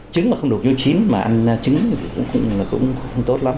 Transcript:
trứng mà không được nấu chín mà ăn trứng thì cũng không tốt lắm